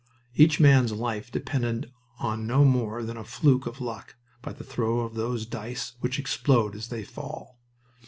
Each man's life depended on no more than a fluke of luck by the throw of those dice which explode as they fall.